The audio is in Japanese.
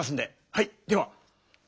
はいでは。